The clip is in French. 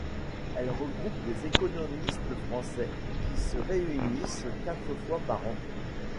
Elle regroupe des économistes français qui se réunissent quatre fois par an.